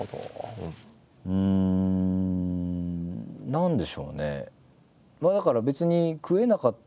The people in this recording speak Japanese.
何でしょうね。